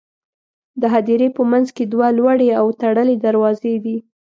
د هدیرې په منځ کې دوه لوړې او تړلې دروازې دي.